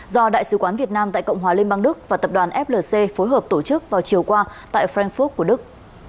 do đại sứ quán việt nam tại cộng hòa liên bang đức và tập đoàn flc phối hợp tổ chức vào chiều qua tại frankfurt của đức